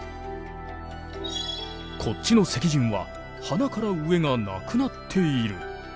こっちの石人は鼻から上がなくなっている。